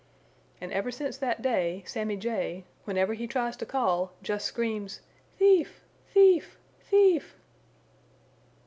And ever since that day, Sammy Jay, whenever he tries to call, just screams: "Thief!" "Thief!" "Thief!"